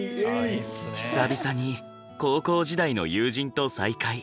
久々に高校時代の友人と再会。